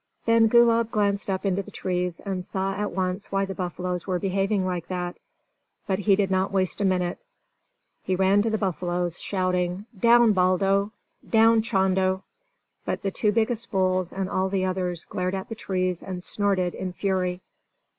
Then Gulab glanced up into the trees, and saw at once why the buffaloes were behaving like that. But he did not waste a minute. He ran to the buffaloes, shouting: "Down, Baldo! Down, Chando!" But the two biggest bulls and all the others glared at the trees and snorted in fury.